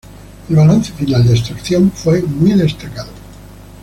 El balance final de extracción fue muy destacado.